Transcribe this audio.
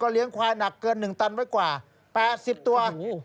เลี้ยงควายหนักเกิน๑ตันไว้กว่า๘๐ตัว